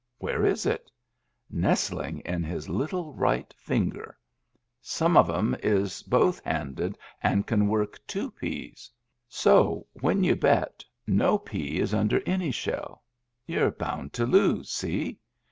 Where is it ? Nestling in his little right finger. Some of 'em is both handed and can work two peas. So, when you bet, no pea is under any shell. You're bound to los^ see